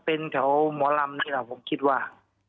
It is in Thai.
เป็นแถวหมอรำนี่ผมคิดว่า